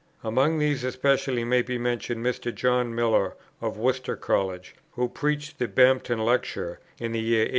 Among these especially may be mentioned Mr. John Miller, of Worcester College, who preached the Bampton Lecture in the year 1817.